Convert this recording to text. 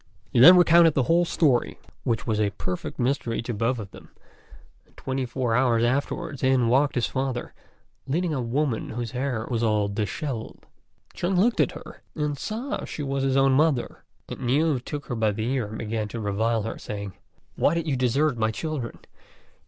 He then recounted the whole story, which was a perfect mystery to both of them; and twenty four hours afterwards in walked his father, leading a woman whose hair was all dishevelled. Chung looked at her and saw that she was his own mother; and Niu took her by the ear and began to revile her, saying, "Why did you desert my children?"